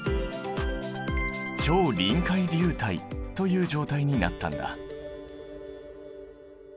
超臨界流体という状態になったんだ。